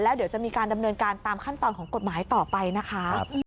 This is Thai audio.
เดี๋ยวจะมีการดำเนินการตามขั้นตอนของกฎหมายต่อไปนะคะ